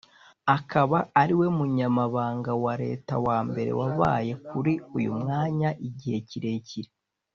akaba ariwe munyamabanga wa Leta wa mbere wabaye kuri uyu mwanya igihe kirekire